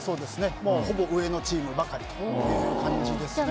ほぼ上のチームばかりという感じですね。